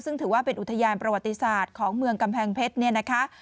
ซึ่งถือว่าเป็นอุทยานประวัติศาสตร์ของเมืองกำแพงเพชรเนี่ยนะคะ